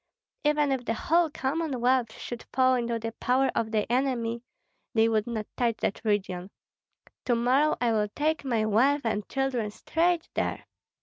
Even if the whole Commonwealth should fall into the power of the enemy, they would not touch that region. To morrow I will take my wife and children straight there."